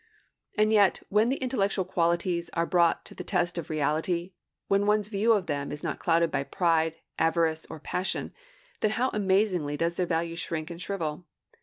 And yet, when the intellectual qualities are brought to the test of reality; when one's view of them is not clouded by pride, avarice, or passion, then how amazingly does their value shrink and shrivel!